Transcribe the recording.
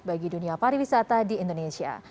bagi dunia pariwisata di indonesia